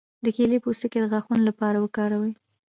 د کیلې پوستکی د غاښونو لپاره وکاروئ